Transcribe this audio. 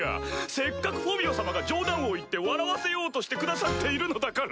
せっかくフォビオ様が冗談を言って笑わせようとしてくださっているのだから。